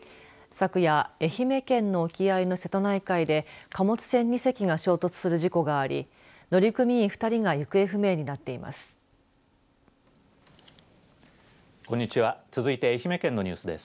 昨夜愛媛県の沖合の瀬戸内海で貨物船２隻が衝突する事故があり乗組員２人が行方不明になっています。